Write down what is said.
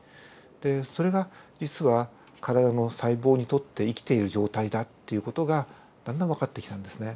でそれが実は体の細胞にとって生きている状態だっていう事がだんだんわかってきたんですね。